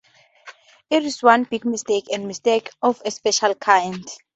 It is one big mistake and a mistake of a special kind.